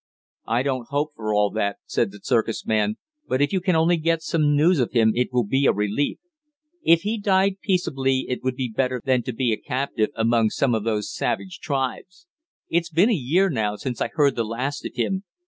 "I don't hope for all that," said the circus man, "but if you can only get some news of him it will be a relief. If he died peaceably it would be better than to be a captive among some of those savage tribes. It's been a year now since I heard the last of him.